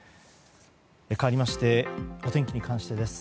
かわりましてお天気に関してです。